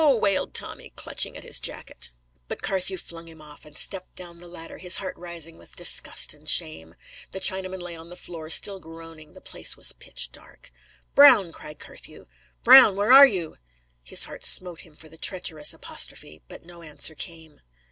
wailed Tommy, clutching at his jacket. But Carthew flung him off, and stepped down the ladder, his heart rising with disgust and shame. The Chinaman lay on the floor, still groaning; the place was pitch dark. "Brown!" cried Carthew, "Brown, where are you?" His heart smote him for the treacherous apostrophe, but no answer came.